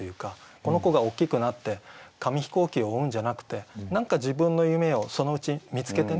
この子が大きくなって紙飛行機を追うんじゃなくて何か自分の夢をそのうち見つけてね